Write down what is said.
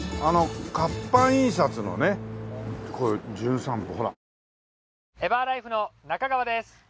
活版印刷のねこういう『じゅん散歩』ほら。